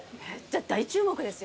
大注目ですよ